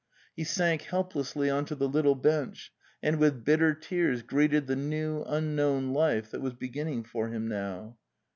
He sank helplessly on to the little bench, and with bitter tears greeted the new unknown life that was beginning for him now.